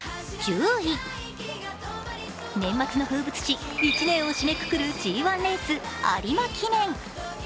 年末の風物詩、１年を締めくくるＧⅠレース、有馬記念。